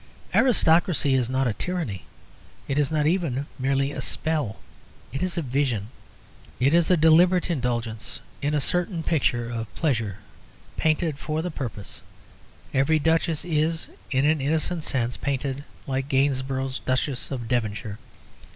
Aristocracy is not a tyranny; it is not even merely a spell. It is a vision. It is a deliberate indulgence in a certain picture of pleasure painted for the purpose; every Duchess is (in an innocent sense) painted, like Gainsborough's "Duchess of Devonshire."